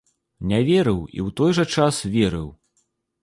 Не верыў, і ў той жа час верыў.